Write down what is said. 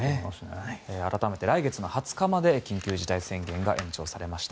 改めて来月の２０日まで緊急事態宣言が延長されました。